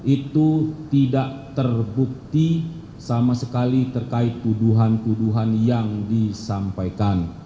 itu tidak terbukti sama sekali terkait tuduhan tuduhan yang disampaikan